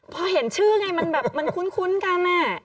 พอเห็นชื่อไงมันแบบมันคุ้นกัน